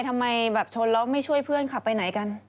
ทำไมแบบชนแล้วไม่ช่วยเพื่อนขับไปไหนกัน